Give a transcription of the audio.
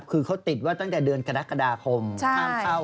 คือเขาติดว่าตั้งแต่เดือนกรกฎาคมห้ามเข้า